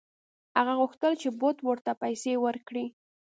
هغه غوښتل چې بت ورته پیسې ورکړي.